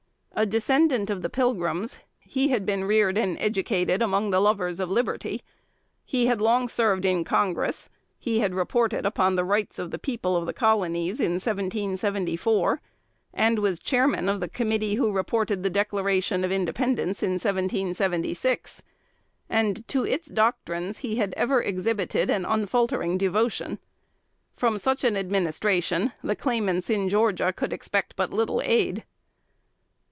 A descendant of the Pilgrims, he had been reared and educated among the lovers of liberty; he had long served in Congress; he had reported upon the rights of the people of the Colonies in 1774, and was chairman of the committee who reported the Declaration of Independence, in 1776, and to its doctrines he had ever exhibited an unfaltering devotion. From such an Administration the claimants in Georgia could expect but little aid.